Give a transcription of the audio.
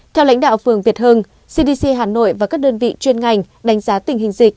theo lãnh đạo phường việt hưng cdc hà nội và các đơn vị chuyên ngành đánh giá tình hình dịch